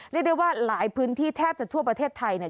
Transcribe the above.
เรียกได้ว่าหลายพื้นที่แทบจะทั่วประเทศไทยเนี่ย